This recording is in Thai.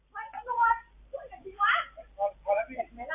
ป๊อดป๊อด